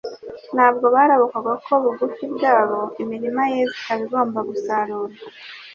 Ntabwo barabukwaga ko bugufi bwabo imirima yeze, ikaba igomba gusarurwa.